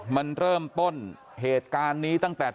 มันเริ่มต้นเหตุการณ์นี้ตั้งแต่